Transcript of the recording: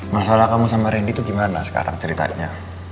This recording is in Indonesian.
masalah kamu sama randy itu gimana sekarang ceritanya